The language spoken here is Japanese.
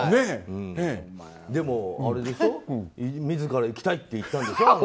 でも自ら行きたいって言ったんでしょ？